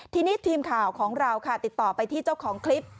ทีนี้ทีมข่าวของเราค่ะติดต่อไปที่เจ้าของคลิป